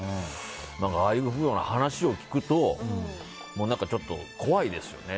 ああいうような話を聞くとちょっと、怖いですよね。